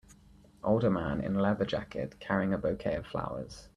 Older man in a leather jacket carrying a bouquet of flowers.